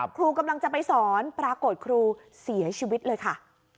ครูกำลังจะไปสอนปรากฏครูเสียชีวิตเลยค่ะ